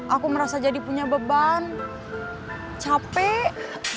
aku merasa jadi punya beban capek